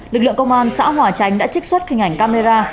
lực lượng công an xã hòa chánh đã trích xuất hình ảnh camera